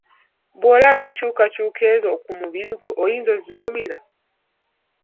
Bw'olaba enkyukakyuka ezo ku mubiri gwo oyinza okuzigumira?